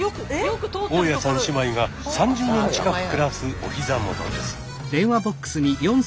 大家さん姉妹が３０年近く暮らすお膝元です。